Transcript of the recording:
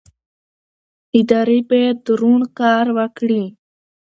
ادارې باید روڼ کار وکړي